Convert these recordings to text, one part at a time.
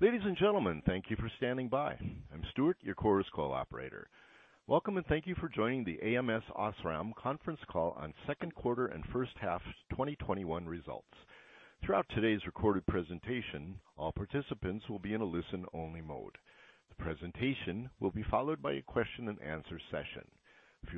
Ladies and gentlemen, thank you for standing by. I'm Stuart, your Chorus Call operator. Welcome, and thank you for joining the ams OSRAM conference call on the second quarter and first half 2021 results. Throughout today's recorded presentation, all participants will be in a listen-only mode. The presentation will be followed by a question-and-answer session. I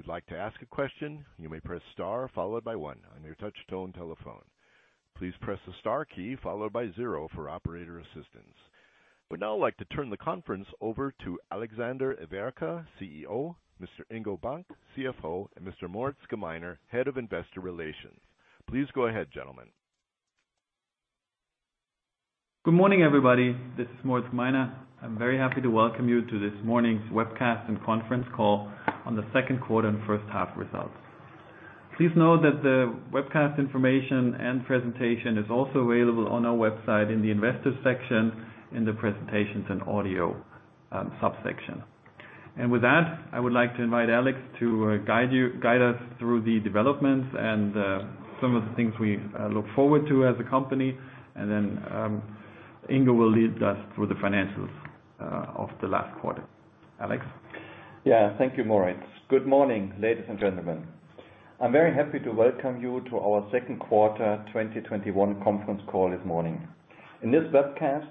would now like to turn the conference over to Alexander Everke, CEO, Mr. Ingo Bank, CFO, and Mr. Moritz Gmeiner, Head of Investor Relations. Please go ahead, gentlemen. Good morning, everybody. This is Moritz Gmeiner. I'm very happy to welcome you to this morning's webcast and conference call on the second quarter and first half results. Please note that the webcast information and presentation are also available on our website in the investor section, in the presentations and audio subsection. With that, I would like to invite Alex to guide us through the developments and some of the things we look forward to as a company, and then Ingo will lead us through the financials of the last quarter. Alex? Yeah. Thank you, Moritz. Good morning, ladies and gentlemen. I'm very happy to welcome you to our second quarter 2021 conference call this morning. In this webcast,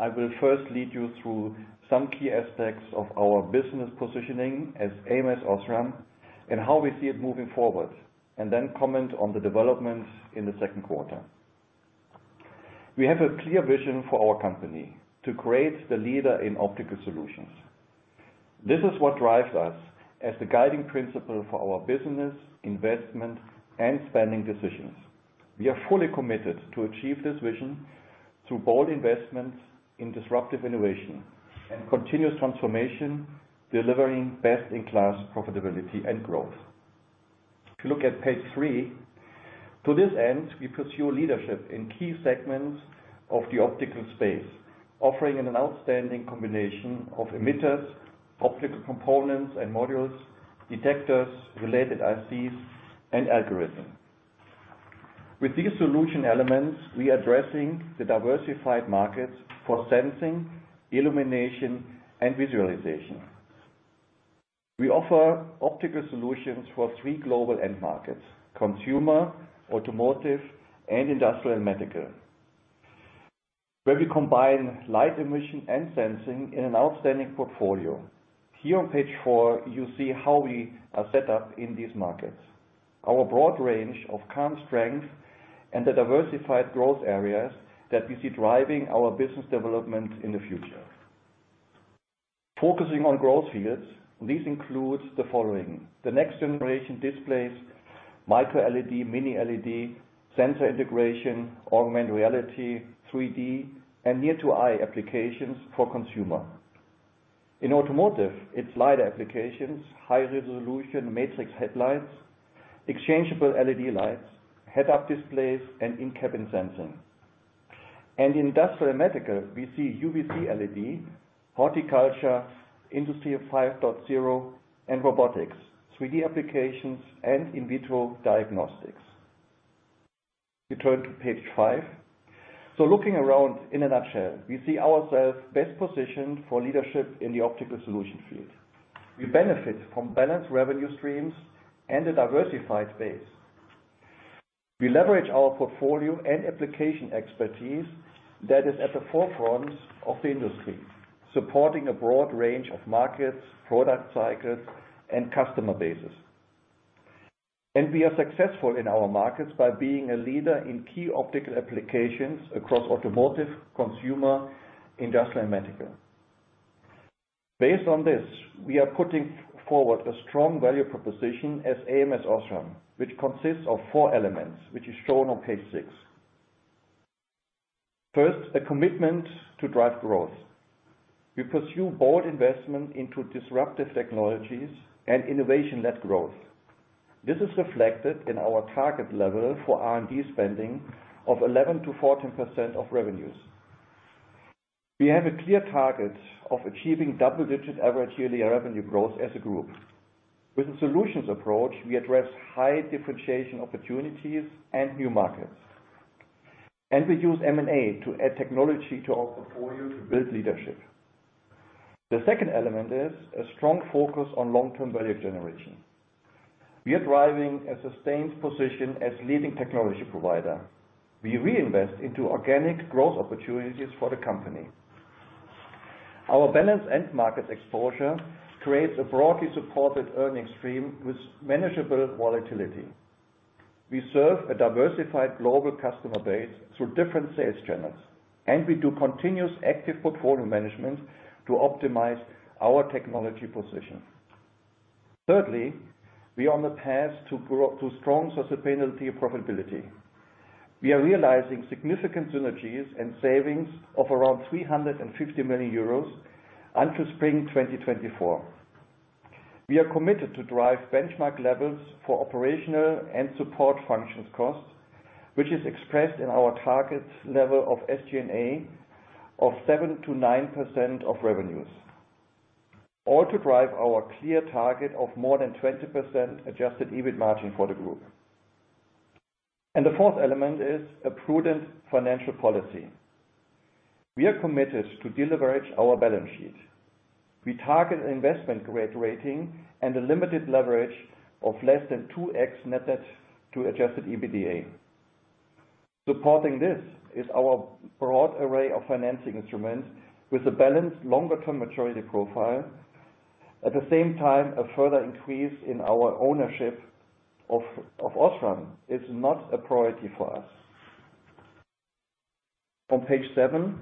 I will first lead you through some key aspects of our business positioning as ams OSRAM and how we see it moving forward, and then comment on the developments in the second quarter. We have a clear vision for our company, to create the leader in optical solutions. This is what drives us as the guiding principle for our business, investment, and spending decisions. We are fully committed to achieving this vision through bold investments in disruptive innovation and continuous transformation, delivering best-in-class profitability and growth. If you look at page three, to this end, we pursue leadership in key segments of the optical space, offering an outstanding combination of emitters, optical components and modules, detectors, related ICs, and algorithms. With these solution elements, we are addressing the diversified markets for sensing, illumination, and visualization. We offer optical solutions for three global end markets: consumer, automotive, industrial, and medical, where we combine light emission and sensing in an outstanding portfolio. Here on page four, you see how we are set up in these markets. Our broad range of current strengths and the diversified growth areas that we see driving our business development in the future. Focusing on growth fields, these include the following. The next generation displays, micro-LED, mini-LED, sensor integration, augmented reality, 3D, and near-eye applications for consumers. In automotive, it's LiDAR applications, high-resolution matrix headlights, exchangeable LED lights, head-up displays, and in-cabin sensing. In industrial and medical, we see UVC LED, horticulture, Industry 5.0, robotics, 3D applications, and in vitro diagnostics. We turn to page five. Looking around in a nutshell, we see ourselves best positioned for leadership in the optical solution field. We benefit from balanced revenue streams and a diversified base. We leverage our portfolio and application expertise that is at the forefront of the industry, supporting a broad range of markets, product cycles, and customer bases. We are successful in our markets by being a leader in key optical applications across automotive, consumer, industrial, and medical. Based on this, we are putting forward a strong value proposition as ams OSRAM, which consists of four elements, as shown on page six. First, a commitment to drive growth. We pursue bold investment in disruptive technologies and innovation-led growth. This is reflected in our target level for R&D spending of 11%-14% of revenues. We have a clear target of achieving double-digit average yearly revenue growth as a group. With a solutions approach, we address high differentiation opportunities and new markets, and we use M&A to add technology to our portfolio to build leadership. The second element is a strong focus on long-term value generation. We are driving a sustained position as a leading technology provider. We reinvest in organic growth opportunities for the company. Our balanced end market exposure creates a broadly supported earnings stream with manageable volatility. We serve a diversified global customer base through different sales channels, and we do continuous active portfolio management to optimize our technology position. Thirdly, we are on the path to strong sustainability and profitability. We are realizing significant synergies and savings of around 350 million euros until spring 2024. We are committed to driving benchmark levels for operational and support functions costs, which is expressed in our target level of SG&A of 7%-9% of revenues. All to drive our clear target of more than 20% Adjusted EBIT margin for the group. The fourth element is a prudent financial policy. We are committed to deleveraging our balance sheet. We target an investment-grade rating and a limited leverage of less than 2x net debt to Adjusted EBITDA. Supporting this is our broad array of financing instruments with a balanced longer-term maturity profile. At the same time, a further increase in our ownership of OSRAM is not a priority for us. On page seven.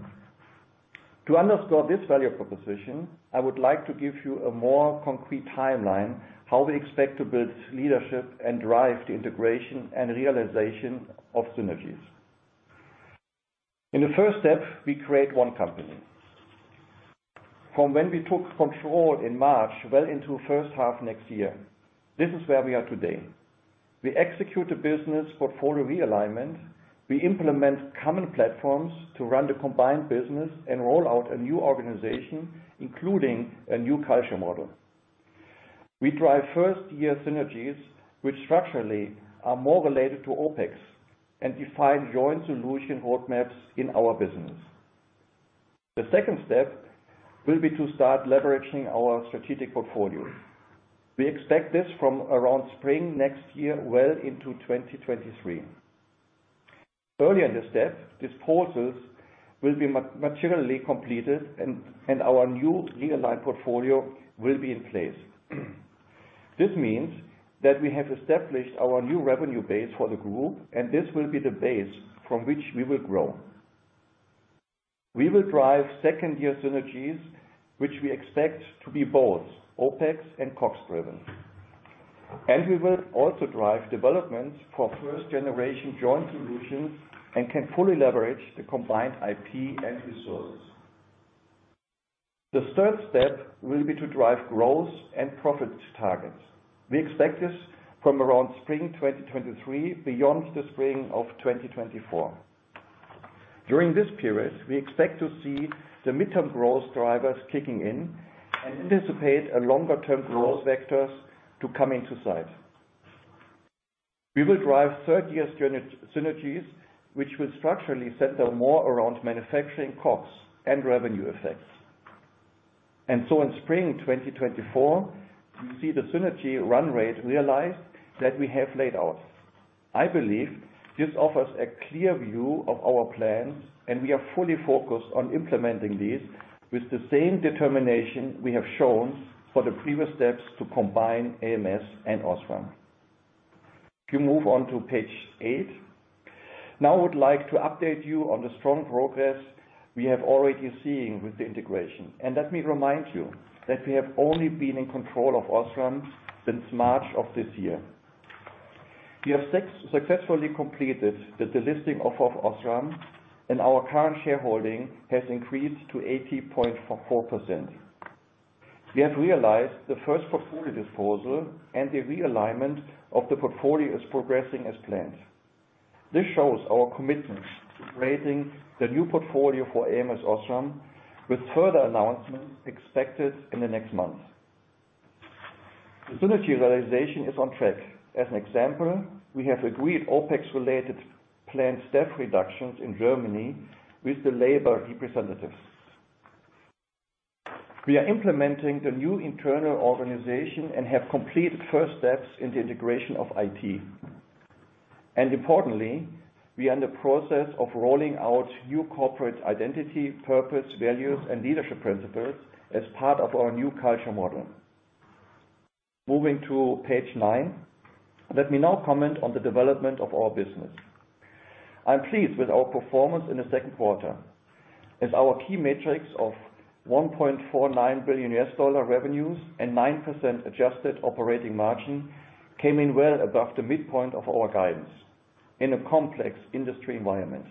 To underscore this value proposition, I would like to give you a more concrete timeline for how we expect to build leadership and drive the integration and realization of synergies. In the first step, we create a company. From when we took control in March, well into the first half of next year. This is where we are today. We execute a business portfolio realignment. We implement common platforms to run the combined business and roll out a new organization, including a new culture model. We drive first-year synergies, which structurally are more related to OpEx, and define joint solution roadmaps in our business. The second step will be to start leveraging our strategic portfolio. We expect this from around spring next year, well into 2023. Early in the step, disposals will be materially completed, and our new realigned portfolio will be in place. This means that we have established our new revenue base for the group, and this will be the base from which we will grow. We will drive second-year synergies, which we expect to be both OpEx and COGS driven. We will also drive developments for first-generation joint solutions and can fully leverage the combined IP and resources. The third step will be to drive growth and profit targets. We expect this from around spring 2023, beyond the spring of 2024. During this period, we expect to see the midterm growth drivers kicking in and anticipate a longer-term growth vector to come into sight. We will drive third-year synergies, which will structurally center more around manufacturing COGS and revenue effects. In spring 2024, we see the synergy run rate realized that we have laid out. I believe this offers a clear view of our plan, and we are fully focused on implementing these with the same determination we have shown for the previous steps to combine ams and OSRAM. If you move on to page eight. I would like to update you on the strong progress we have already seen with the integration. Let me remind you that we have only been in control of OSRAM since March of this year. We have successfully completed the delisting of OSRAM, and our current shareholding has increased to 80.4%. We have realized the first portfolio disposal, and the realignment of the portfolio is progressing as planned. This shows our commitment to creating the new portfolio for ams OSRAM, with further announcements expected in the next month. Synergy realization is on track. As an example, we have agreed on OpEx-related planned staff reductions in Germany with the labor representatives. We are implementing the new internal organization and have completed the first steps in the integration of IT. Importantly, we are in the process of rolling out a new corporate identity, purpose, values, and leadership principles as part of our new culture model. Moving to page nine. Let me now comment on the development of our business. I'm pleased with our performance in the second quarter, as our key metrics of $1.49 billion in revenues and 9% adjusted operating margin came in well above the midpoint of our guidance in a complex industry environment.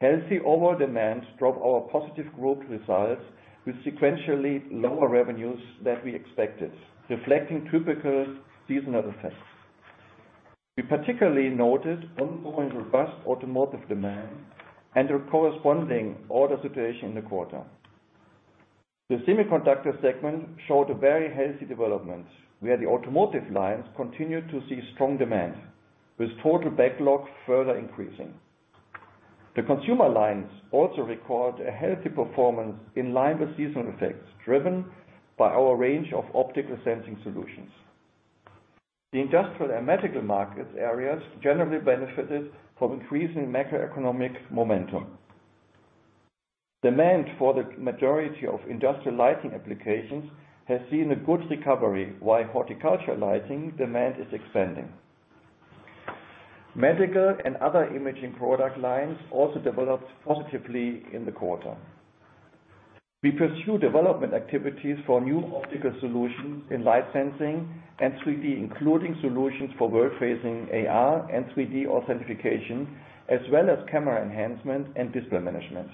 Healthy overall demand drove our positive group results with sequentially lower revenues than we expected, reflecting typical seasonal effects. We particularly noted ongoing robust automotive demand and the corresponding order situation in the quarter. The Semiconductor segment showed a very healthy development, where the automotive lines continued to see strong demand, with total backlog further increasing. The consumer lines also record a healthy performance in line with seasonal effects, driven by our range of optical sensing solutions. The industrial and medical market areas generally benefited from increasing macroeconomic momentum. Demand for the majority of industrial lighting applications has seen a good recovery, while horticultural lighting demand is expanding. Medical and other imaging product lines also developed positively in the quarter. We pursue development activities for new optical solutions in light sensing and 3D, including solutions for world-facing AR and 3D authentication, as well as camera enhancement and display management.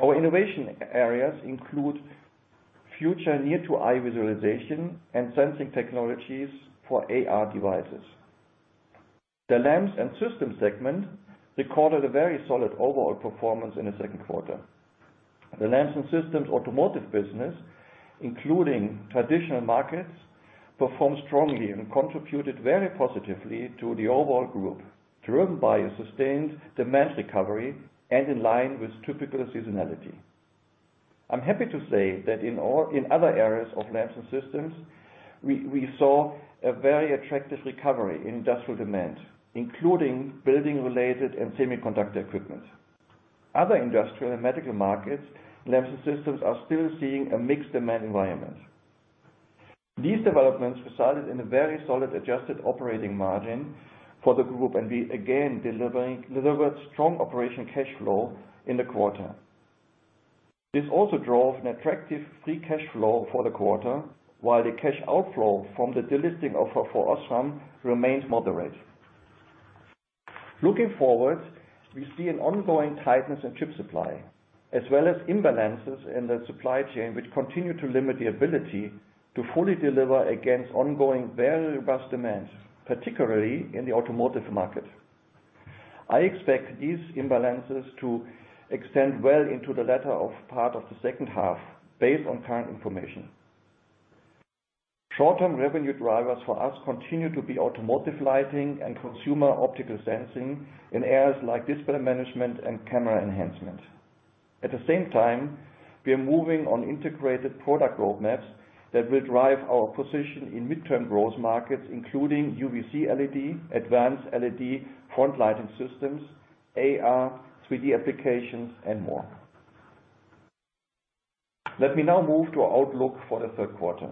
Our innovation areas include future near-eye visualization and sensing technologies for AR devices. The lamps and systems segment recorded a very solid overall performance in the second quarter. The Lamps & Systems' automotive business, including traditional markets, performed strongly and contributed very positively to the overall Group, driven by a sustained demand recovery and in line with typical seasonality. I'm happy to say that in other areas of Lamps & Systems, we saw a very attractive recovery in industrial demand, including building-related and semiconductor equipment. Other industrial and medical markets, Lamps & Systems, are still seeing a mixed demand environment. These developments resulted in a very solid adjusted operating margin for the Group, and we again delivered strong operating cash flow in the quarter. This also drove an attractive free cash flow for the quarter while the cash outflow from the delisting offer for OSRAM remains moderate. Looking forward, we see an ongoing tightness in chip supply, as well as imbalances in the supply chain, which continue to limit the ability to fully deliver against ongoing very robust demands, particularly in the automotive market. I expect these imbalances to extend well into the latter part of the second half based on current information. Short-term revenue drivers for us continue to be automotive lighting and consumer optical sensing in areas like display management and camera enhancement. At the same time, we are moving on integrated product roadmaps that will drive our position in midterm growth markets, including UVC LED, advanced LED front-lighting systems, AR, 3D applications, and more. Let me now move to our outlook for the third quarter.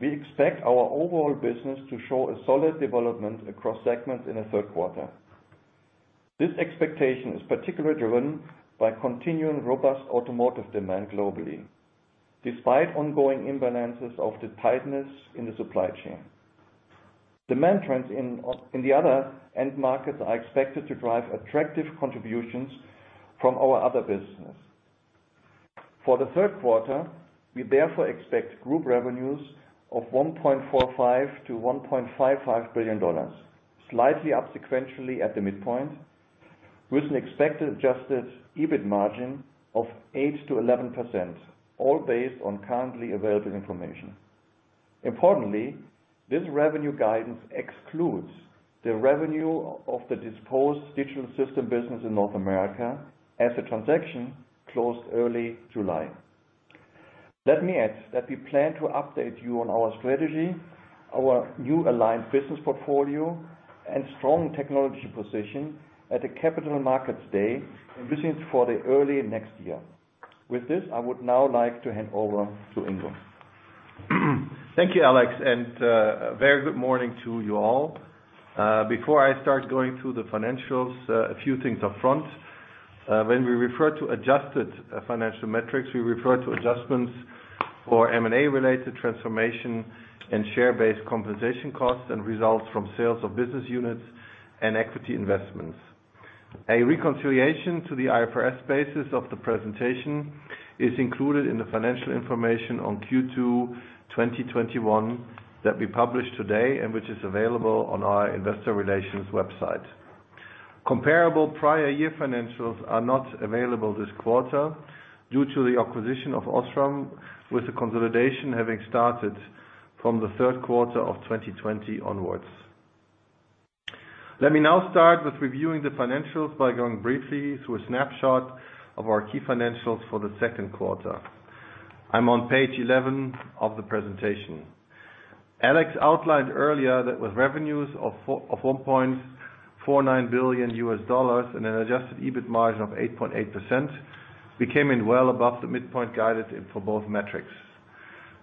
We expect our overall business to show a solid development across segments in the third quarter. This expectation is particularly driven by continuing robust automotive demand globally, despite ongoing imbalances of the tightness in the supply chain. Demand trends in the other end markets are expected to drive attractive contributions from our other business. For the third quarter, we therefore expect group revenues of $1.45 billion-$1.55 billion, slightly up sequentially at the midpoint, with an expected Adjusted EBIT margin of 8%-11%, all based on currently available information. Importantly, this revenue guidance excludes the revenue of the disposed Digital Systems North America business as the transaction closed early July. Let me add that we plan to update you on our strategy, our new aligned business portfolio, and strong technology position at the Capital Markets Day envisioned for early next year. With this, I would now like to hand over to Ingo. Thank you, Alex, and a very good morning to you all. Before I start going through the financials, a few things up front. When we refer to adjusted financial metrics, we refer to adjustments for M&A-related transformation, share-based compensation costs, and results from sales of business units and equity investments. A reconciliation to the IFRS basis of the presentation is included in the financial information on Q2 2021 that we published today, and which is available on our investor relations website. Comparable prior year financials are not available this quarter due to the acquisition of OSRAM, with the consolidation having started from the third quarter of 2020 onwards. Let me now start with reviewing the financials by going briefly through a snapshot of our key financials for the second quarter. I'm on page 11 of the presentation. Alex outlined earlier that with revenues of $1.49 billion and an Adjusted EBIT margin of 8.8%, we came in well above the midpoint guidance for both metrics.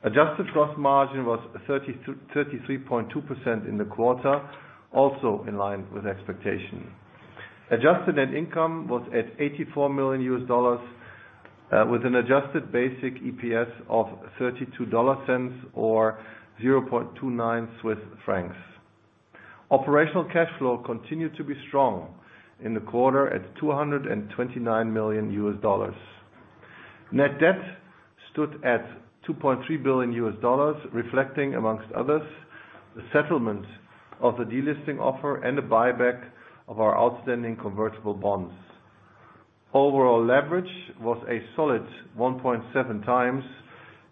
Adjusted gross margin was 33.2% in the quarter, also in line with expectations. Adjusted net income was at $84 million, with an adjusted basic EPS of $0.32 or 0.29. Operational cash flow continued to be strong in the quarter at $229 million. Net debt stood at $2.3 billion, reflecting, amongst others, the settlement of the delisting offer and the buyback of our outstanding convertible bonds. Overall leverage was a solid 1.7 times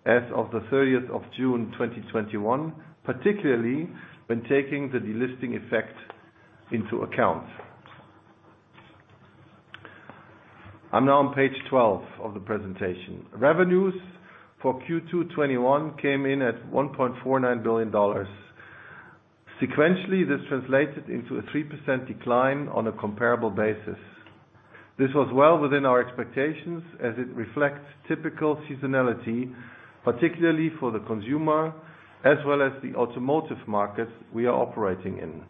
as of June 30th, 2021, particularly when taking the delisting effect into account. I'm now on page 12 of the presentation. Revenues for Q2 2021 came in at $1.49 billion. Sequentially, this translated into a 3% decline on a comparable basis. This was well within our expectations as it reflects typical seasonality, particularly for the consumer as well as the automotive markets we are operating in.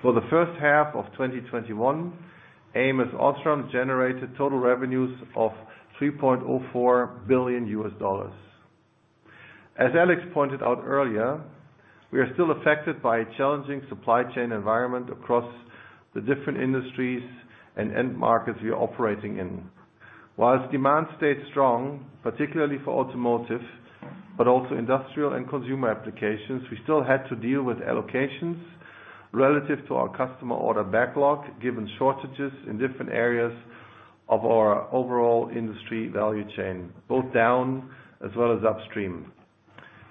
For the first half of 2021, ams OSRAM generated total revenues of $3.04 billion US. As Alex pointed out earlier, we are still affected by a challenging supply chain environment across the different industries and end markets we are operating in. While demand stayed strong, particularly for automotive, but also industrial and consumer applications, we still had to deal with allocations relative to our customer order backlog, given shortages in different areas of our overall industry value chain, both downstream and upstream.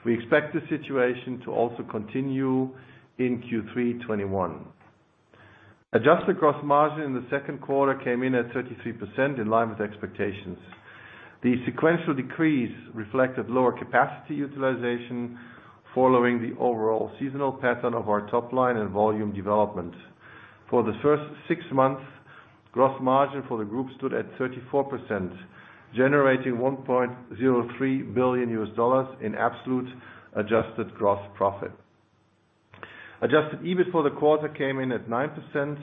We expect the situation to also continue in Q3 2021. Adjusted gross margin in the second quarter came in at 33%, in line with expectations. The sequential decrease reflected lower capacity utilization following the overall seasonal pattern of our top line and volume development. For the first six months, gross margin for the group stood at 34%, generating $1.03 billion in absolute adjusted gross profit. Adjusted EBIT for the quarter came in at 9%,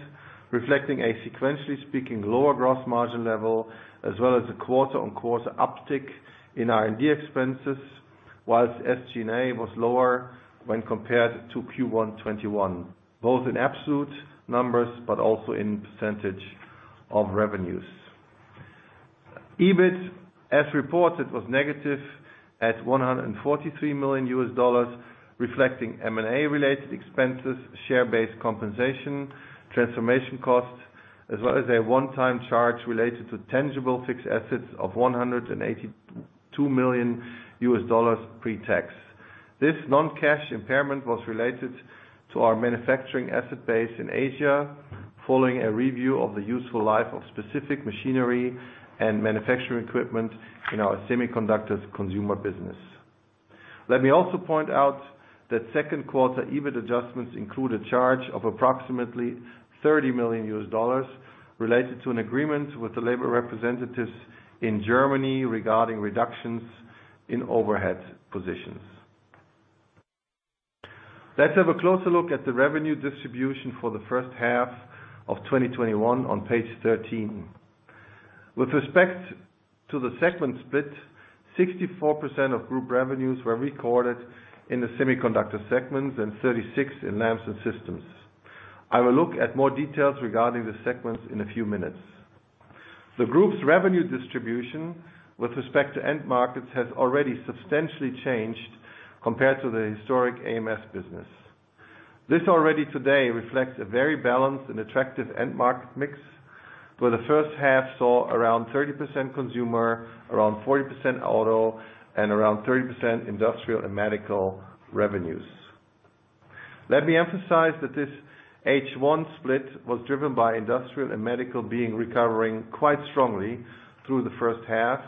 reflecting a sequentially speaking lower gross margin level, as well as a quarter-on-quarter uptick in R&D expenses, whilst SG&A was lower when compared to Q1 2021, both in absolute numbers but also in percentage of revenues. EBIT, as reported, was negative at $143 million, reflecting M&A-related expenses, share-based compensation, transformation costs, as well as a one-time charge related to tangible fixed assets of $182 million pre-tax. This non-cash impairment was related to our manufacturing asset base in Asia following a review of the useful life of specific machinery and manufacturing equipment in our semiconductor consumer business. Let me also point out that second-quarter EBIT adjustments include a charge of approximately $30 million US related to an agreement with the labor representatives in Germany regarding reductions in overhead positions. Let's have a closer look at the revenue distribution for the first half of 2021 on page 13. With respect to the segment split, 64% of group revenues were recorded in the semiconductor segments and 36% in lamps and systems. I will look at more details regarding the segments in a few minutes. The group's revenue distribution with respect to end markets has already substantially changed compared to the historic ams business. This already today reflects a very balanced and attractive end market mix, where the first half saw around 30% consumer, around 40% auto, and around 30% industrial and medical revenues. Let me emphasize that this H1 split was driven by industrial and medical being recovering quite strongly through the first half,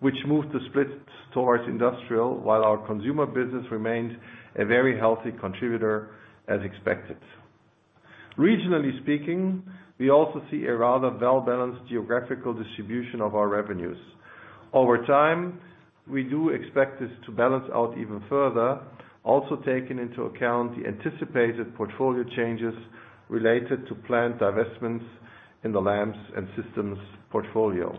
which moved the split towards industrial, while our consumer business remained a very healthy contributor as expected. Regionally speaking, we also see a rather well-balanced geographical distribution of our revenues. Over time, we do expect this to balance out even further, also taking into account the anticipated portfolio changes related to planned divestments in the lamps and systems portfolio.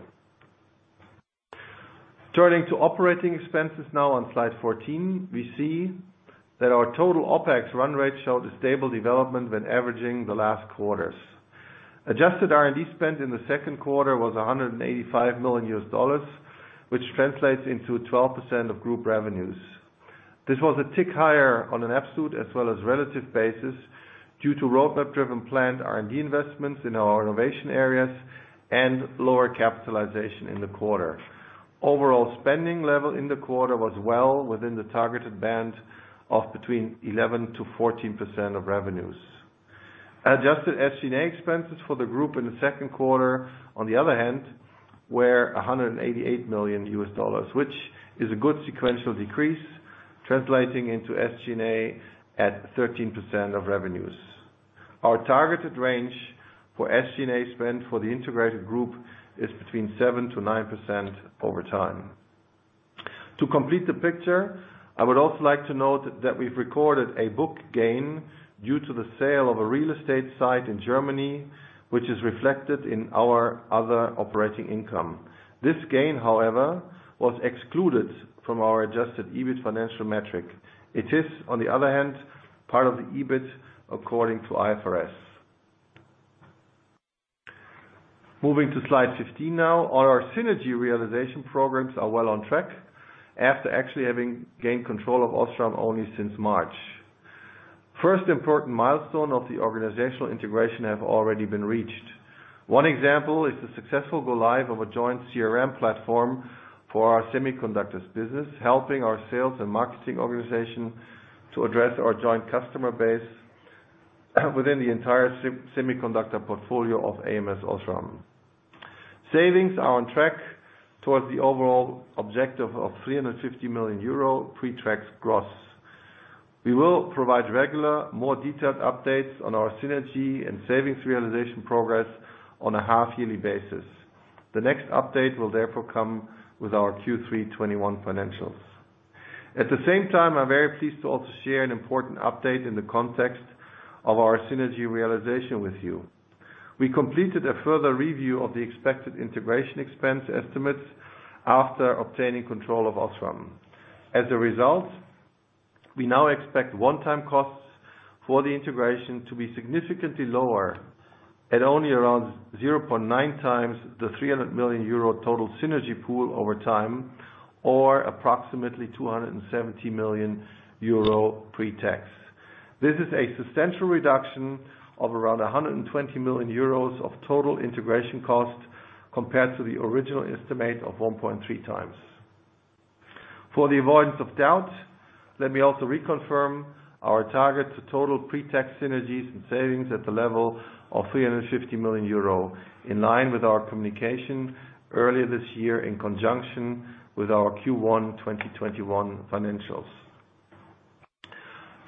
Turning to operating expenses now on slide 14, we see that our total OpEx run rate showed a stable development when averaging the last quarters. Adjusted R&D spend in the second quarter was $185 million, which translates into 12% of group revenues. This was a tick higher on an absolute as well as relative basis due to roadmap-driven planned R&D investments in our innovation areas and lower capitalization in the quarter. Overall spending level in the quarter was well within the targeted band of between 11%-14% of revenues. Adjusted SG&A expenses for the group in the second quarter, on the other hand, were $188 million, which is a good sequential decrease, translating into SG&A at 13% of revenues. Our targeted range for SG&A spend for the integrated group is between 7%-9% over time. To complete the picture, I would also like to note that we've recorded a book gain due to the sale of a real estate site in Germany, which is reflected in our other operating income. This gain, however, was excluded from our Adjusted EBIT financial metric. It is, on the other hand, part of the EBIT according to IFRS. Moving to slide 15 now. All our synergy realization programs are well on track after actually having gained control of OSRAM only since March. The first important milestone of the organizational integration has already been reached. One example is the successful go-live of a joint CRM platform for our semiconductor business, helping our sales and marketing organization to address our joint customer base within the entire semiconductor portfolio of ams OSRAM. Savings are on track towards the overall objective of 350 million euro pre-tax gross. We will provide regular, more detailed updates on our synergy and savings realization progress on a half-yearly basis. The next update will therefore come with our Q3 2021 financials. At the same time, I'm very pleased to also share an important update in the context of our synergy realization with you. We completed a further review of the expected integration expense estimates after obtaining control of OSRAM. As a result, we now expect one-time costs for the integration to be significantly lower at only around 0.9x the 300 million euro total synergy pool over time, or approximately 270 million euro pre-tax. This is a substantial reduction of around 120 million euros of total integration cost compared to the original estimate of 1.3x. For the avoidance of doubt, let me also reconfirm our target to total pre-tax synergies and savings at the level of 350 million euro, in line with our communication earlier this year in conjunction with our Q1 2021 financials.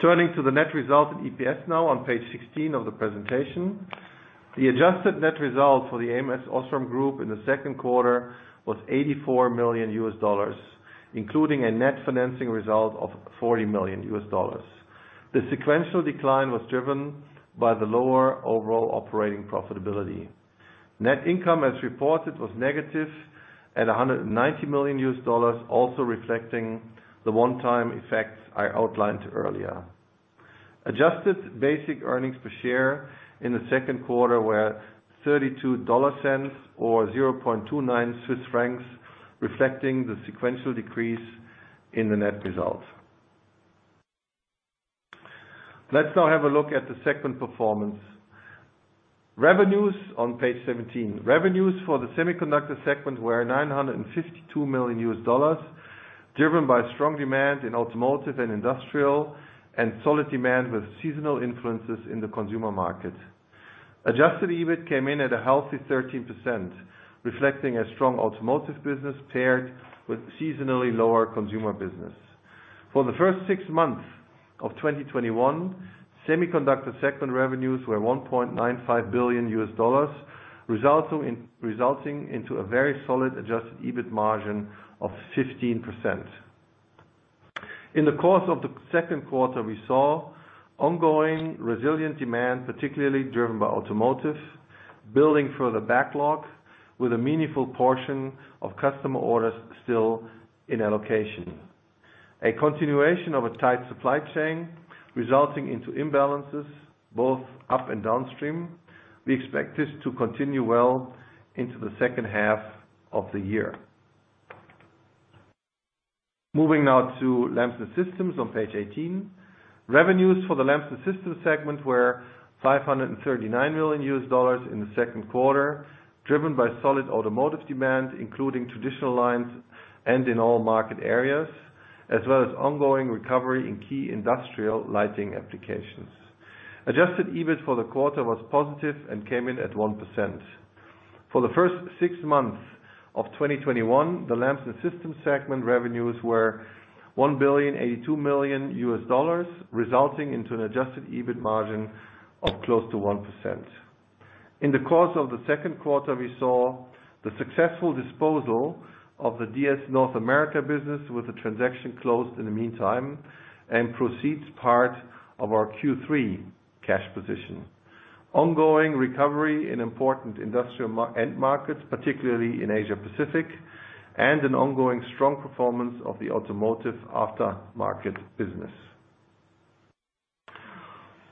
Turning to the net result and EPS now on page 16 of the presentation. The adjusted net result for the ams OSRAM Group in the second quarter was $84 million, including a net financing result of $40 million. The sequential decline was driven by the lower overall operating profitability. Net income, as reported, was negative at $190 million, also reflecting the one-time effects I outlined earlier. Adjusted basic earnings per share in the second quarter were $0.32 or 0.29 Swiss francs, reflecting the sequential decrease in the net result. Let's now have a look at the segment performance. Revenues on page 17. Revenues for the Semiconductor segment were $952 million, driven by strong demand in automotive and industrial, and solid demand with seasonal influences in the consumer market. Adjusted EBIT came in at a healthy 13%, reflecting a strong automotive business paired with seasonally lower consumer business. For the first six months of 2021, Semiconductor segment revenues were $1.95 billion, resulting in a very solid Adjusted EBIT margin of 15%. In the course of the second quarter, we saw ongoing resilient demand, particularly driven by automotive, building further backlog with a meaningful portion of customer orders still in allocation. A continuation of a tight supply chain resulting in imbalances both upstream and downstream. We expect this to continue well into the second half of the year. Moving now to Lamps and Systems on page 18. Revenues for the Lamps & Systems segment were $539 million in the second quarter, driven by solid automotive demand, including traditional lines and in all market areas, as well as ongoing recovery in key industrial lighting applications. Adjusted EBIT for the quarter was positive and came in at 1%. For the first six months of 2021, the Lamps & Systems segment revenues were $1.082 billion, resulting in an Adjusted EBIT margin of close to 1%. In the course of the second quarter, we saw the successful disposal of the DS North America business, with the transaction closed in the meantime, and the proceeds are part of our Q3 cash position. Ongoing recovery in important industrial end markets, particularly in the Asia Pacific, and an ongoing strong performance of the automotive aftermarket business.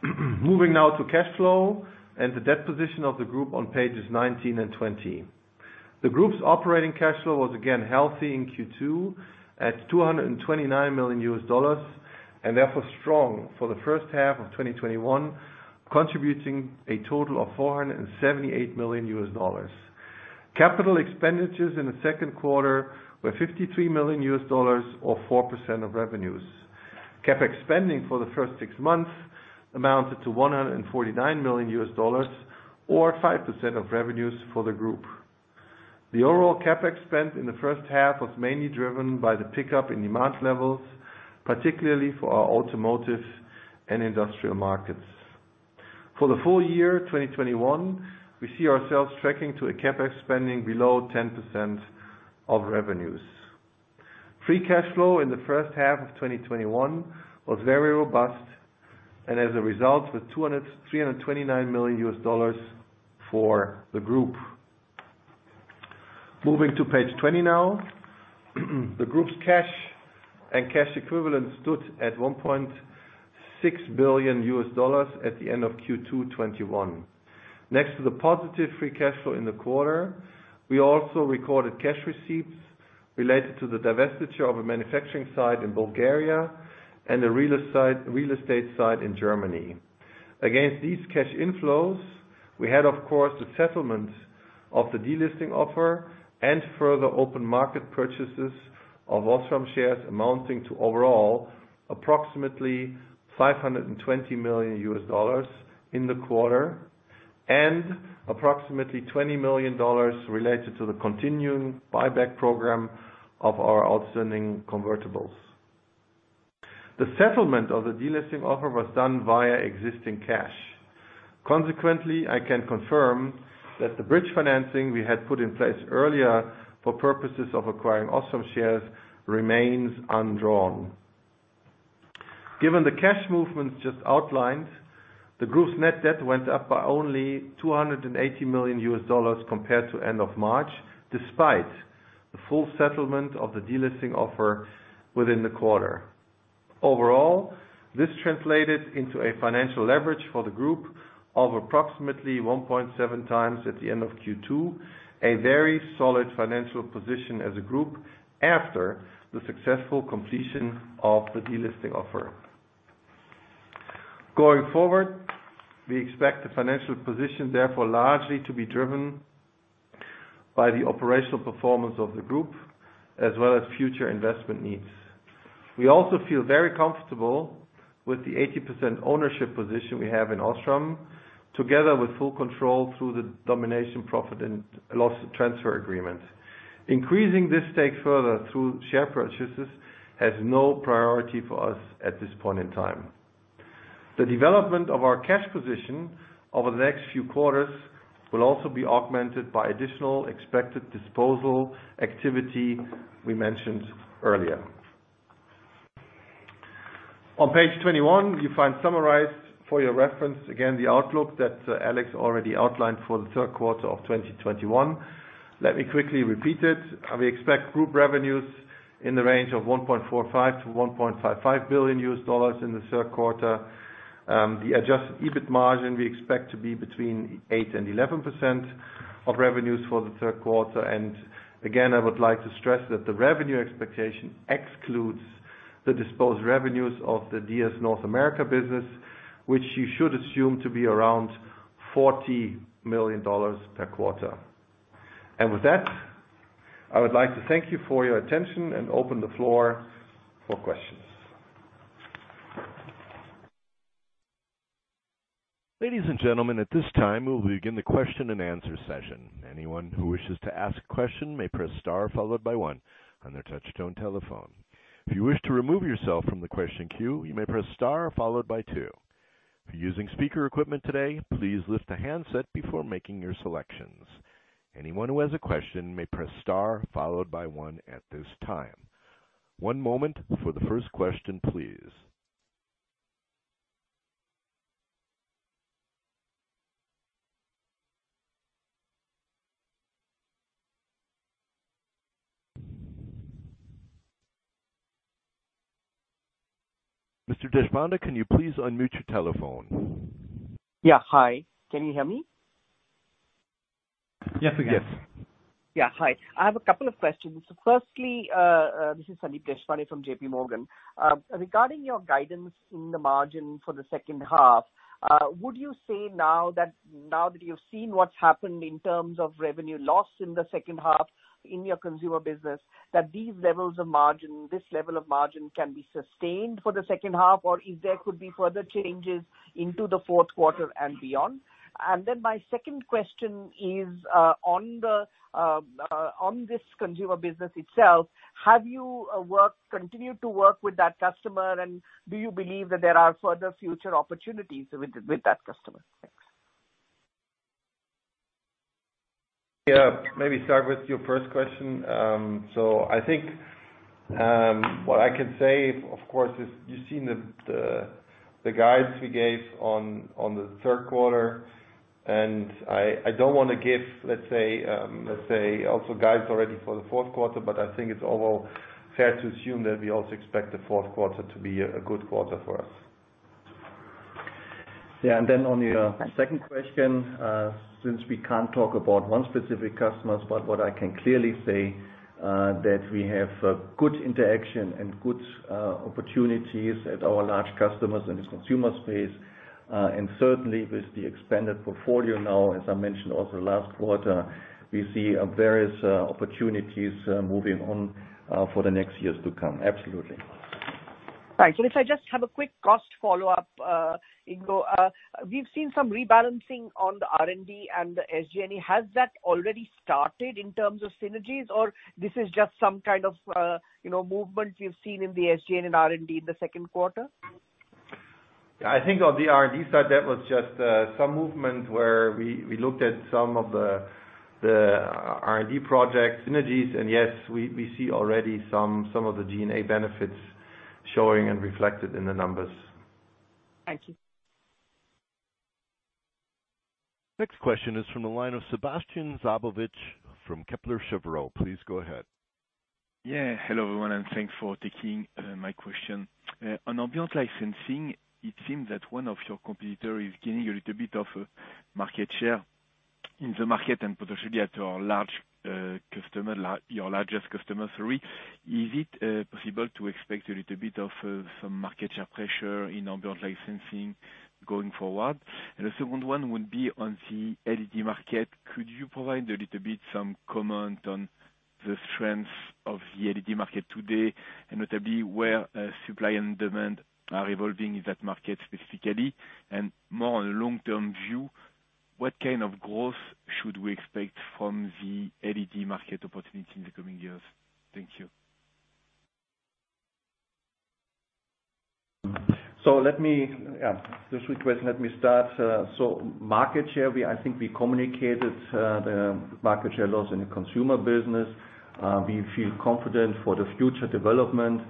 Moving now to cash flow and the debt position of the group on pages 19 and 20. The group's operating cash flow was again healthy in Q2 at $229 million, and therefore strong for the first half of 2021, contributing a total of $478 million. Capital expenditures in the second quarter were $53 million or 4% of revenues. CapEx spending for the first six months amounted to $149 million, or 5% of revenues for the group. The overall CapEx spent in the first half was mainly driven by the pickup in demand levels, particularly for our automotive and industrial markets. For the full year 2021, we see ourselves tracking to a CapEx spending below 10% of revenues. Free cash flow in the first half of 2021 was very robust, and as a result, with $329 million for the group. Moving to page 20 now. The group's cash and cash equivalents stood at $1.6 billion at the end of Q2 2021. Next to the positive free cash flow in the quarter, we also recorded cash receipts related to the divestiture of a manufacturing site in Bulgaria and the real estate site in Germany. Against these cash inflows, we had, of course, the settlement of the delisting offer and further open market purchases of OSRAM shares amounting to approximately $520 million in the quarter, and approximately $20 million related to the continuing buyback program of our outstanding convertibles. The settlement of the delisting offer was done via existing cash. Consequently, I can confirm that the bridge financing we had put in place earlier for purposes of acquiring OSRAM shares remains undrawn. Given the cash movements just outlined, the group's net debt went up by only $280 million compared to end of March, despite full settlement of the delisting offer within the quarter. Overall, this translated into a financial leverage for the group of approximately 1.7x at the end of Q2. A very solid financial position as a group, after the successful completion of the delisting offer. Going forward, we expect the financial position to be largely driven by the operational performance of the group as well as future investment needs. We also feel very comfortable with the 80% ownership position we have in OSRAM, together with full control through the domination profit and loss transfer agreement. Increasing this stake further through share purchases has no priority for us at this point in time. The development of our cash position over the next few quarters will also be augmented by additional expected disposal activity we mentioned earlier. On page 21, you find summarized for your reference, again, the outlook that Alex already outlined for the third quarter of 2021. Let me quickly repeat it. We expect group revenues in the range of $1.45 billion-$1.55 billion in the third quarter. The Adjusted EBIT margin we expect to be between 8% and 11% of revenues for the third quarter. I would like to stress that the revenue expectation excludes the disposed revenues of the DS North America business, which you should assume to be around $40 million per quarter. I would like to thank you for your attention and open the floor for questions. Ladies and gentlemen, at this time, we will begin the question-and-answer session. Anyone who wishes to ask a question may press star followed by one on their touch-tone telephone. If you wish to remove yourself from the question queue, you may press the star followed by two. If you're using speaker equipment today, please lift the handset before making your selections. Anyone who has a question may press star followed by one at this time. One moment for the first question, please. Mr. Deshpande, can you please unmute your telephone? Yeah. Hi, can you hear me? Yes, we can. Yes. Yeah. Hi. I have a couple of questions. This is Sandeep Deshpande from J.P. Morgan. Regarding your guidance in the margin for the second half, would you say now that you've seen what's happened in terms of revenue loss in the second half in your consumer business, that this level of margin can be sustained for the second half, or if there could be further changes in the fourth quarter and beyond? My second question is, on this consumer business itself, have you continued to work with that customer, and do you believe that there are further future opportunities with that customer? Thanks. Yeah. Maybe start with your first question. I think, what I can say, of course, is you've seen the guides we gave on the third quarter, and I don't want to give, let's say, also guides already for the fourth quarter, but I think it's overall fair to assume that we also expect the fourth quarter to be a good quarter for us. Yeah. On your second question, since we can't talk about one specific customer, but what I can clearly say, that we have good interaction and good opportunities at our large customers in the consumer space. Certainly, with the expanded portfolio now, as I mentioned also last quarter, we see various opportunities, moving on, for the next years to come. Absolutely. Right. If I just have a quick cost follow-up, Ingo. We've seen some rebalancing on the R&D and the SG&A. Has that already started in terms of synergies, or is this just some kind of movement we've seen in the SG&A and R&D in the second quarter? I think on the R&D side, that was just some movement where we looked at some of the R&D project synergies, and yes, we see already some of the G&A benefits showing and reflected in the numbers. Thank you. The next question is from the line of Sébastien Sztabowicz from Kepler Cheuvreux. Please go ahead. Hello, everyone, thanks for taking my question. On ambient light sensing, it seems that one of your competitors is gaining a little bit of market share in the market and potentially at your largest customer. Is it possible to expect a little bit of market share pressure in ambient light sensing going forward? The second one would be on the LED market. Could you provide a little bit of comment on the strength of the LED market today, notably where supply and demand are evolving in that market specifically? More on the long-term view, what kind of growth should we expect from the LED market opportunity in the coming years? Thank you. Yeah, this request, let me start. Market share, I think we communicated the market share loss in the consumer business. We feel confident for the future development.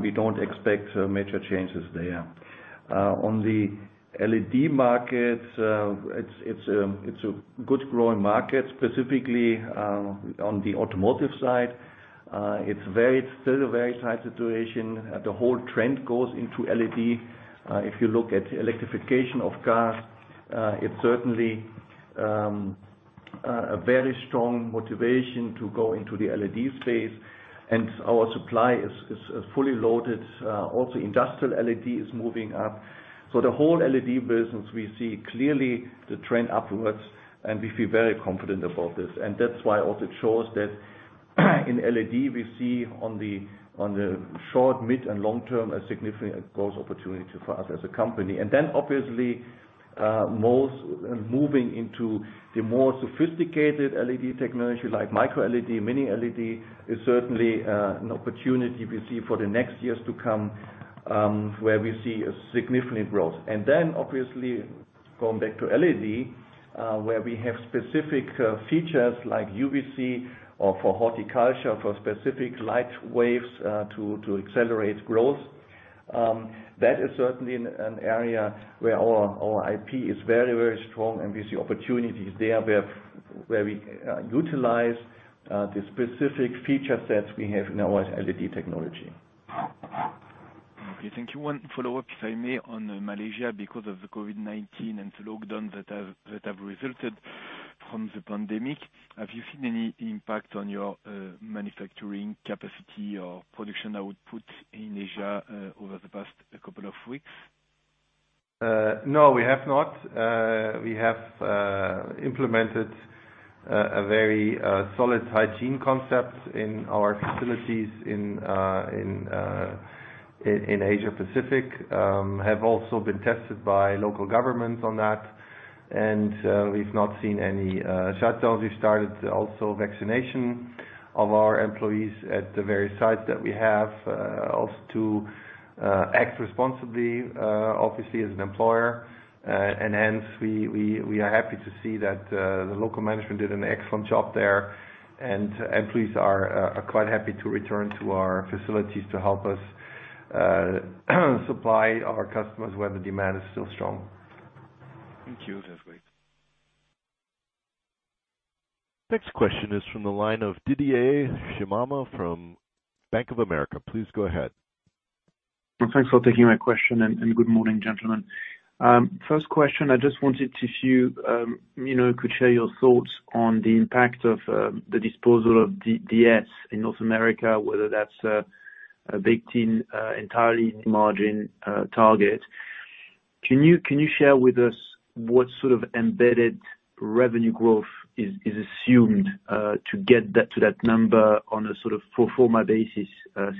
We don't expect major changes there. On the LED market, it's a good growing market, specifically on the automotive side. It's still a very tight situation. The whole trend goes into LED. If you look at the electrification of cars, it certainly, A very strong motivation to go into the LED space, and our supply is fully loaded. Also, industrial LED is moving up. In the whole LED business, we see clearly the trend upwards, and we feel very confident about this. That's why it also shows that in LED, we see in the short, mid, and long term, a significant growth opportunity for us as a company. Obviously, moving into the more sophisticated LED technology like micro-LED and mini-LED is certainly an opportunity we see for the next few years to come, where we see significant growth. Obviously, going back to LED, where we have specific features like UVC or for horticulture, for specific light waves, to accelerate growth. That is certainly an area where our IP is very, very strong, and we see opportunities there where we utilize the specific feature sets we have in our LED technology. Okay. Thank you. One follow-up, if I may, on Malaysia, because of the COVID-19 and the lockdown that has resulted from the pandemic, have you seen any impact on your manufacturing capacity or production output in Asia over the past couple of weeks? No, we have not. We have implemented a very solid hygiene concept in our facilities in the Asia Pacific. We have also been tested by local governments on that, and we've not seen any shutdowns. We also started the vaccination of our employees at the various sites that we have. Also, to act responsibly, obviously as an employer. Hence, we are happy to see that the local management did an excellent job there, and employees are quite happy to return to our facilities to help us supply our customers, where the demand is still strong. Thank you. That's great. The next question is from the line of Didier Scemama from Bank of America. Please go ahead. Thanks for taking my question, and good morning, gentlemen. First question, I just wondered if you could share your thoughts on the impact of the disposal of DS in North America, whether that's a 18% EBIT margin target. Can you share with us what sort of embedded revenue growth is assumed to get to that number on a sort of pro forma basis,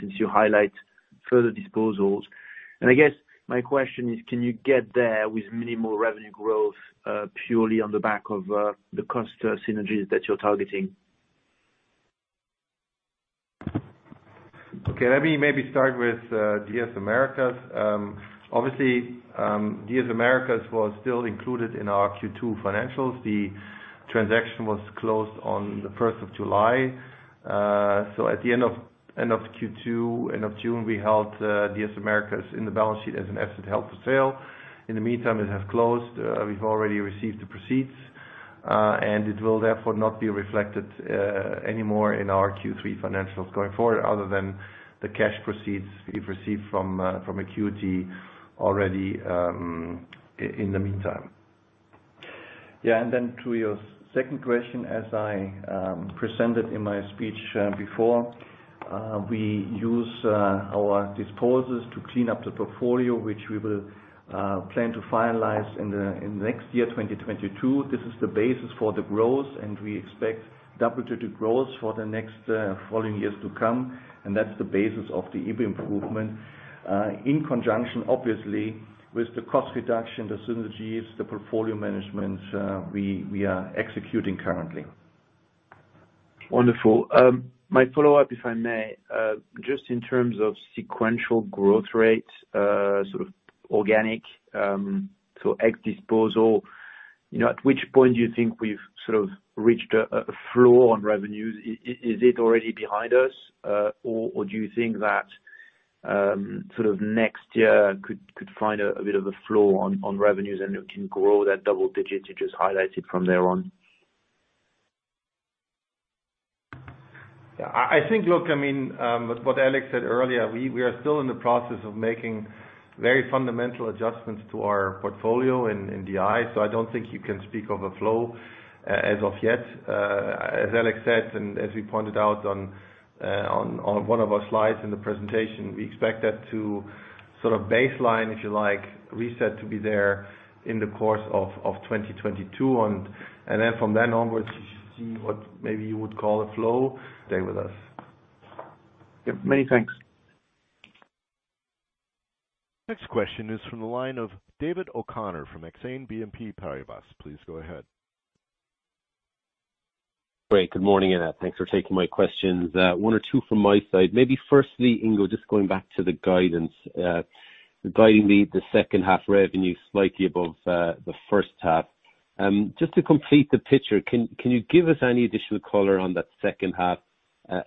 since you highlight further disposals? I guess my question is, can you get there with minimal revenue growth, purely on the back of the cost synergies that you're targeting? Let me maybe start with DS Americas. Obviously, DS Americas was still included in our Q2 financials. The transaction was closed on the July 1st. At the end of Q2, at the end of June, we held DS Americas in the balance sheet as an asset held for sale. In the meantime, it has closed, and we've already received the proceeds. It will therefore not be reflected anymore in our Q3 financials going forward, other than the cash proceeds we've received from Acuity already in the meantime. Then, to your second question, as I presented in my speech before, we use our disposals to clean up the portfolio, which we will plan to finalize in the next year, 2022. This is the basis for the growth, and we expect double-digit growth for the next following years to come. That's the basis of the EBIT improvement, in conjunction obviously with the cost reduction, the synergies, and the portfolio management we are executing currently. Wonderful. My follow-up, if I may. In terms of sequential growth rates, sort of organic, so ex-disposal. At which point do you think we've sort of reached a floor on revenues? Is it already behind us? Do you think that sort of next year could find a bit of a floor on revenues, and you can grow that double-digit you just highlighted from thereon? Yeah. I think, look, what Alex said earlier, we are still in the process of making very fundamental adjustments to our portfolio in DI, so I don't think you can speak of a flow as of yet. As Alex said, and as we pointed out on one of our slides in the presentation, we expect that to sort of baseline, if you like, reset to be there in the course of 2022. Then from then onwards, you should see what maybe you would call a flow stay with us. Yeah. Many thanks. The next question is from the line of David O'Connor from Exane BNP Paribas. Please go ahead. Great. Good morning, and thanks for taking my questions. One or two from my side. Maybe firstly, Ingo, just going back to the guidance. Guidingly, the second half revenue was slightly above the first half. Just to complete the picture, can you give us any additional color on that second-half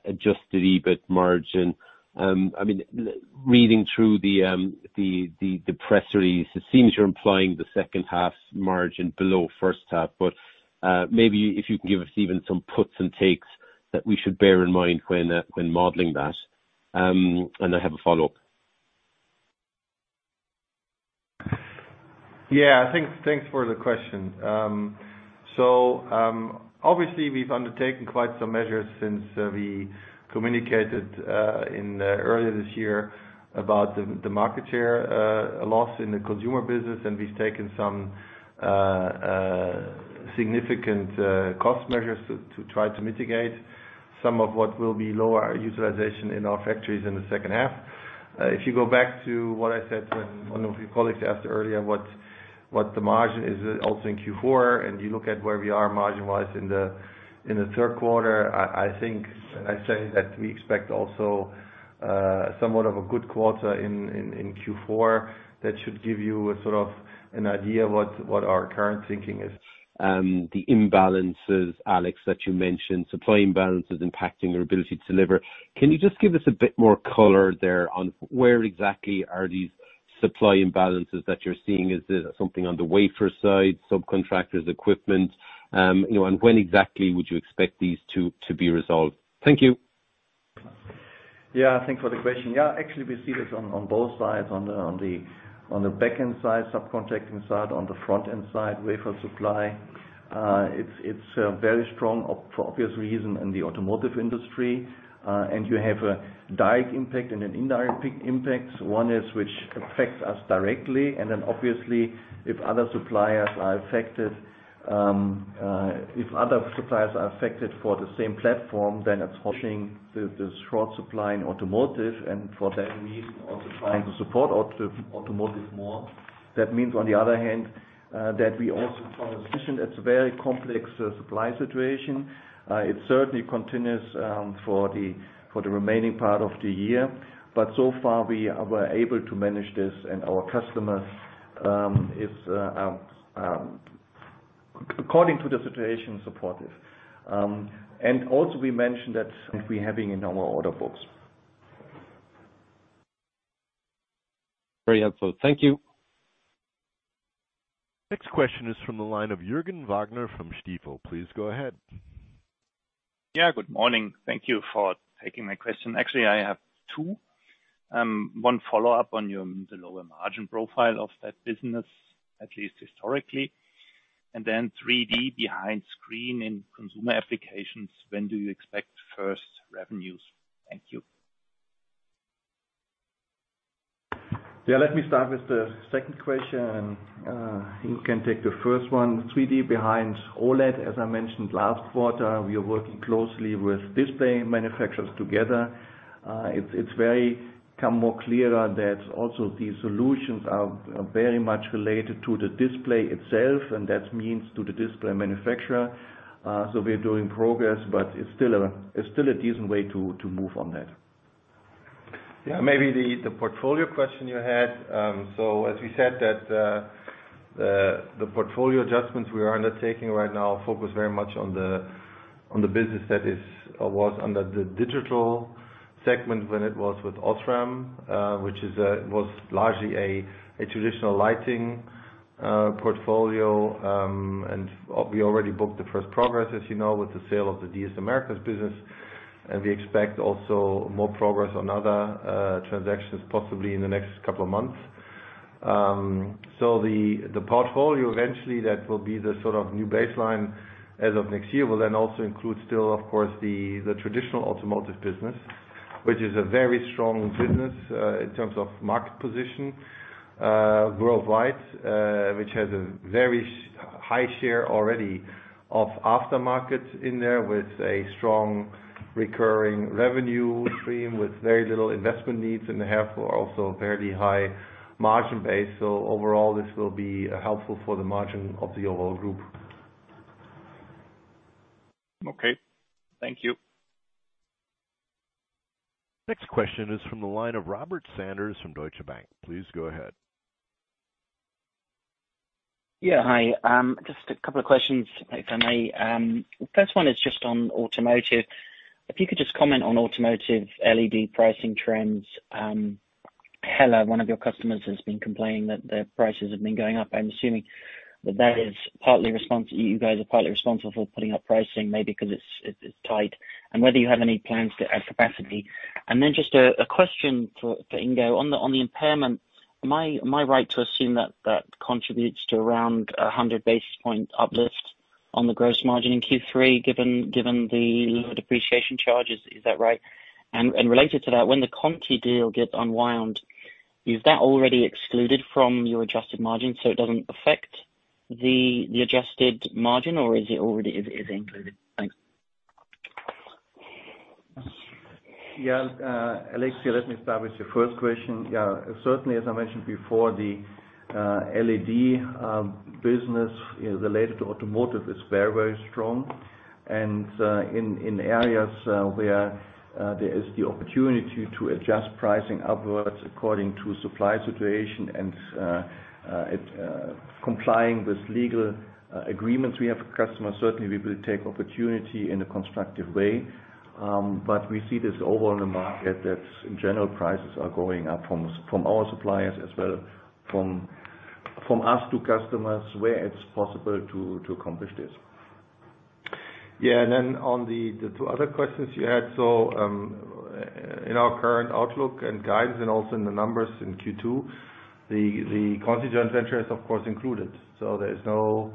Adjusted EBIT margin? Reading through the press release, it seems you're implying the second half's margin is below the first half. Maybe if you can give us even some puts and takes that we should bear in mind when modeling that. I have a follow-up. Thanks for the question. Obviously, we've undertaken quite some measures since we communicated earlier this year about the market share loss in the consumer business, and we've taken some significant cost measures to try to mitigate some of the lower utilization in our factories in the second half. If you go back to what I said when one of your colleagues asked earlier what the margin is also in Q4, and you look at where we are margin-wise in the third quarter, I think I said that we expect also somewhat of a good quarter in Q4. That should give you some sort of an idea of what our current thinking is. The imbalances, Alex, that you mentioned, supply imbalances impacting your ability to deliver. Can you just give us a bit more color on where exactly these supply imbalances are that you're seeing? Is it something on the wafer side, subcontractors, or equipment? When exactly would you expect these to be resolved? Thank you. Yeah. Thanks for the question. Yeah, actually, we see this on both sides, on the back-end side, on the subcontracting side, on the front-end side, wafer supply. It's very strong for obvious reasons in the automotive industry. You have a direct impact and an indirect impact. One is which affects us directly, and then obviously, if other suppliers are affected for the same platform, then it's pushing the short supply in automotive, and for that reason, also trying to support automotive more. That means, on the other hand, that we also have a position, it's a very complex supply situation. It certainly continues for the remaining part of the year, but so far, we were able to manage this, and our customers are, according to the situation, supportive. Also, we mentioned that we're having normal order books. Very helpful. Thank you. The next question is from the line of Jürgen Wagner from Stifel. Please go ahead. Yeah, good morning. Thank you for taking my question. Actually, I have two. One follow-up on the lower margin profile of that business, at least historically. 3D behind the screen in consumer applications, when do you expect the first revenues? Thank you. Yeah, let me start with the second question. You can take the first one, 3D behind OLED, as I mentioned last quarter, we are working closely with display manufacturers together. It's very come more clearer that also these solutions are very much related to the display itself, and that means to the display manufacturer. We're doing progress, but it's still a decent way to move on that. Yeah, maybe the portfolio question you had. As we said, the portfolio adjustments we are undertaking right now focus very much on the business that was under the Digital segment when it was with OSRAM, which was largely a traditional lighting portfolio. We already booked the first progress, as you know, with the sale of the DS Americas business, and we expect also more progress on other transactions, possibly in the next couple of months. The portfolio eventually, which will be the sort of new baseline as of next year, will then also include still, of course, the traditional automotive business, which is a very strong business in terms of market position worldwide, which has a very high share already of aftermarket in there with a strong recurring revenue stream with very little investment needs and therefore also a fairly high margin base. Overall, this will be helpful for the margin of the overall group. Okay. Thank you. The next question is from the line of Robert Sanders from Deutsche Bank. Please go ahead. Yeah. Hi. Just a couple of questions, if I may. The first one is just on automotive. If you could just comment on automotive LED pricing trends. Hella, one of your customers, has been complaining that their prices have been going up. I'm assuming that you guys are partly responsible for putting up pricing, maybe because it's tight, and whether you have any plans to add capacity. Then, just a question for Ingo on the impairment. Am I right to assume that contributes to around a 100 basis point uplift on the gross margin in Q3, given the lower depreciation charges? Is that right? Related to that, when the Conti deal gets unwound, is that already excluded from your adjusted margin, so it doesn't affect the adjusted margin, or is it already included? Thanks. Alex, let me start with your first question. Certainly, as I mentioned before, the LED business related to automotive is very strong. In areas where there is the opportunity to adjust pricing upwards according to supply situation and complying with legal agreements we have with customers, certainly we will take the opportunity in a constructive way. We see this overall in the market that, in general, prices are going up from our suppliers as well, from us to customers, where it's possible to accomplish this. Yeah. On the two other questions you had. In our current outlook and guidance, and also in the numbers in Q2, the Conti joint venture is, of course, included. There's no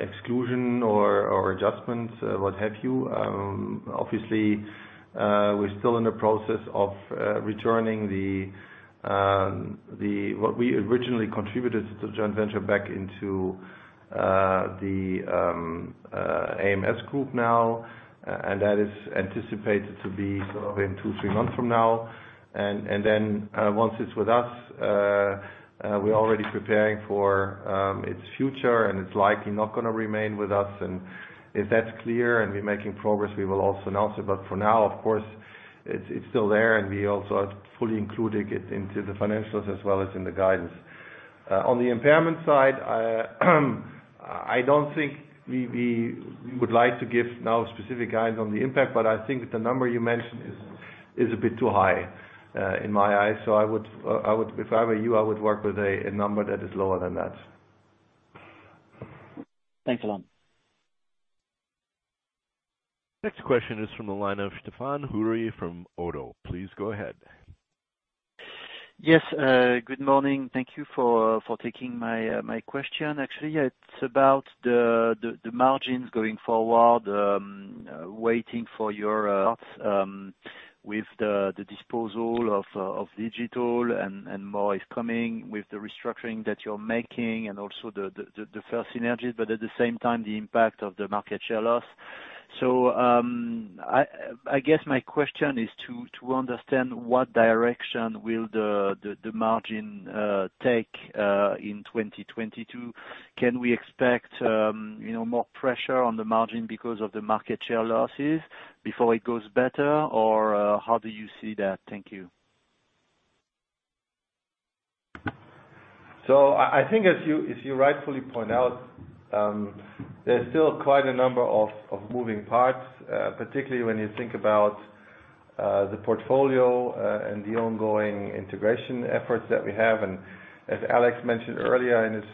exclusion or adjustment, what have you. Obviously, we're still in the process of returning what we originally contributed to the joint venture back into the ams group now, and that is anticipated to be sort of in two to three months from now. Once it's with us, we're already preparing for its future, and it's likely not going to remain with us. If that's clear and we're making progress, we will also announce it. For now, of course, it's still there, and we are also fully including it in the financials as well as in the guidance. On the impairment side, I don't think we would like to give now specific guidance on the impact, but I think the number you mentioned is a bit too high in my eyes. If I were you, I would work with a number that is lower than that. Thanks a lot. The next question is from the line of Stéphane Houri from Oddo BHF. Please go ahead. Yes. Good morning. Thank you for taking my question. Actually, it's about the margins going forward, waiting for your thoughts with the disposal of Digital and more is coming with the restructuring that you're making, and also the first synergies, but at the same time, the impact of the market share loss. I guess my question is to understand what direction the margin will take in 2022? Can we expect more pressure on the margin because of the market share losses before it gets better? Or how do you see that? Thank you. I think if you rightfully point out, there's still quite a number of moving parts, particularly when you think about the portfolio and the ongoing integration efforts that we have. As Alex mentioned earlier in his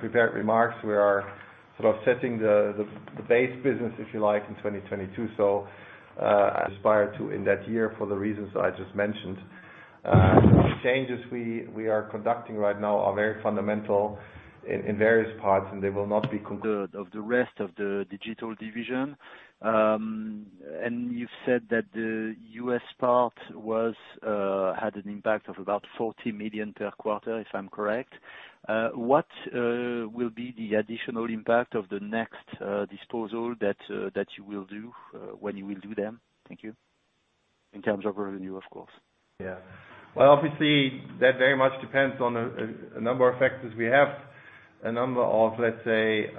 prepared remarks, we are sort of setting the base business, if you like, in 2022. I aspire to do that in that year for the reasons I just mentioned. Some of the changes we are conducting right now are very fundamental in various parts, and they will not be. Of the rest of the digital division. You said that the U.S. part had an impact of about $40 million per quarter, if I'm correct. What will be the additional impact of the next disposal that you will do when you do it? Thank you. In terms of revenue, of course. Yeah. Well, obviously, that very much depends on a number of factors. We have a number of, let's say,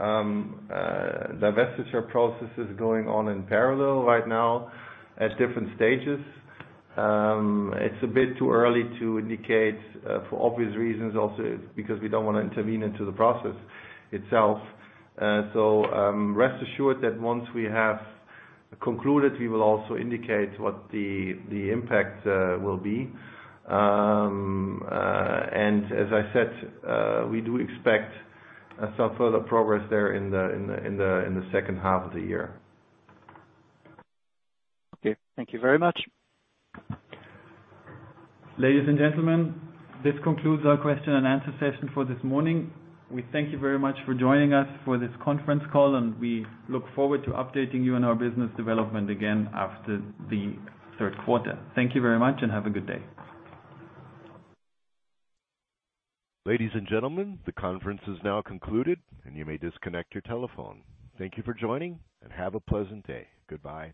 divestiture processes going on in parallel right now at different stages. It's a bit too early to indicate, for obvious reasons, also because we don't want to intervene in the process itself. Rest assured that once we have concluded, we will also indicate what the impact will be. As I said, we do expect some further progress there in the second half of the year. Okay. Thank you very much. Ladies and gentlemen, this concludes our question-and-answer session for this morning. We thank you very much for joining us for this conference call, and we look forward to updating you on our business development again after the third quarter. Thank you very much, and have a good day. Ladies and gentlemen, the conference is now concluded, and you may disconnect your telephone. Thank you for joining, and have a pleasant day. Goodbye.